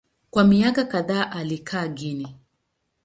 Kwa miaka kadhaa alikaa Guinea.